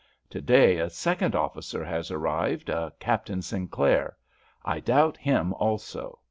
To day a second officer has arrived, a Captain Sinclair. I doubt him also.